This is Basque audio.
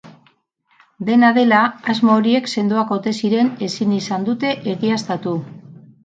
Dena dela, asmo horiek sendoak ote ziren ezin izan dute egiaztatu.